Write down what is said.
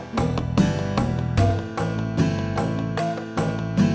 tidak apa apa none